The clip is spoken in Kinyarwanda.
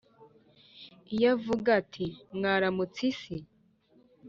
iyo avuga ati: "mwaramutse isi!"